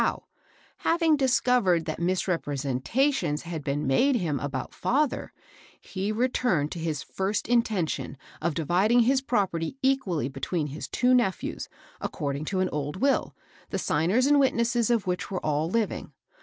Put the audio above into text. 411 how, having discovered that misrepresentations had heen made him ahout father, he returned to his first intention of dividing his property equally be tween his two nephews, according to an old will, the signers and witnesses of which were all li>ing.